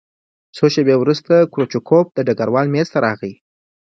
څو شېبې وروسته کروچکوف د ډګروال مېز ته راغی